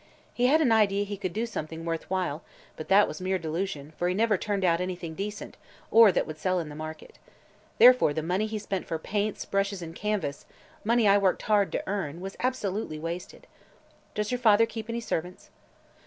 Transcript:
He had an idea he could do something worth while, but that was mere delusion, for he never turned out anything decent or that would sell in the market. Therefore the money he spent for paints, brushes and canvas money I worked hard to earn was absolutely wasted. Does your father keep any servants?"